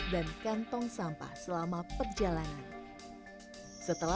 di dalamnya ada beberapa jembatan segala